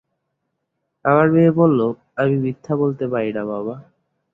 আমার মেয়ে বলল, আমি মিথ্যা বলতে পারি না, বাবা।